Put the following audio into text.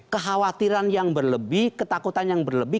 kekhawatiran yang berlebih ketakutan yang berlebih